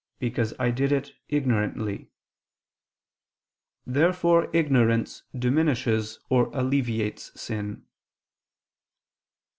. because I did it ignorantly." Therefore ignorance diminishes or alleviates sin.